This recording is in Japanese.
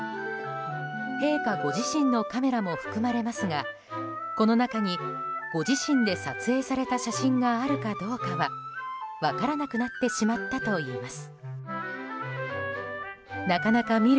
陛下ご自身のカメラも含まれますがこの中に、ご自身で撮影された写真があるかどうかは分からなくなってしまったといいます。